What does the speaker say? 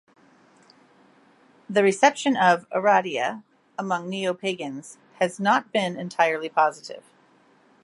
The reception of "Aradia" amongst Neopagans has not been entirely positive.